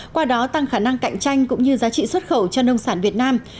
qua đó tăng khả năng cạnh tranh cũng như giá trị xuất khẩu cho nông sản việt nam